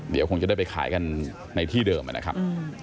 เดี๋ยวคงจะได้ไปขายกันในที่เดิมนะครับ